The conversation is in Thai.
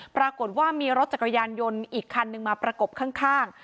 ปรากฏว่ามีรถจักรยานยนต์อีกคันนึงมาประกบข้าง